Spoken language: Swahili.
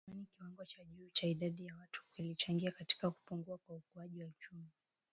kwani kiwango cha juu cha idadi ya watu kilichangia katika kupungua kwa ukuaji wa uchumi